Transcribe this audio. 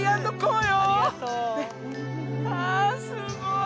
あすごい。